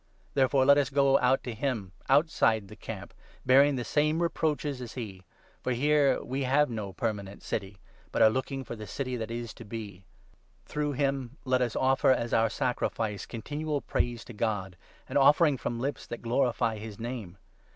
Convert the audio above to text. Therefore let us go i; out to him ' outside the camp,' bearing the same reproaches as he ; for here we have no permanent city, but are looking for the i^ City that is to be. Through him let us offer, as our sacrifice, i< continual praise to God — an offering from lips that glorify his Name.